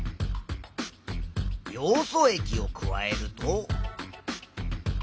ヨウ素液を加えると。